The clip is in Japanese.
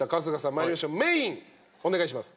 参りましょうメインお願いします。